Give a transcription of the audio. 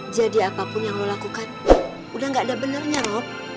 jadi apapun yang lo lakukan udah gak ada benernya rob